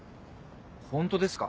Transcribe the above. ホントですか？